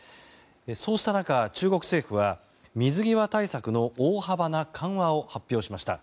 そうした中、中国政府は水際対策の大幅な緩和を発表しました。